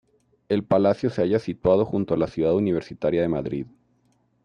El palacio se halla situado junto a la Ciudad Universitaria de Madrid.